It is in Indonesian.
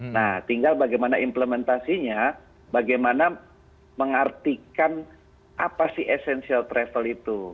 nah tinggal bagaimana implementasinya bagaimana mengartikan apa sih essential travel itu